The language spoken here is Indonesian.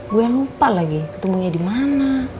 gue lupa lagi ketemunya dimana